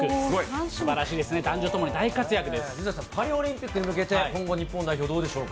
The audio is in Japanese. すばらしいですね、水谷さん、パリオリンピックに向けて、今後、日本代表、どうでしょうか。